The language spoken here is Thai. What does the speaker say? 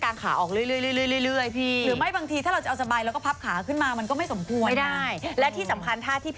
บางคนนั่งเร็วก็กางขาไป